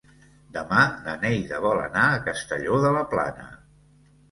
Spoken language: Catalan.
Demà na Neida vol anar a Castelló de la Plana.